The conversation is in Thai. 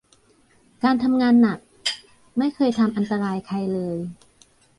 การทำงานหนักไม่เคยทำอันตรายใครเลย